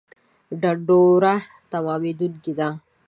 ډنډوره تمامېدونکې ده